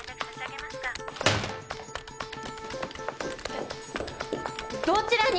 えっ？どちらに？